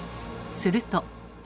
すると。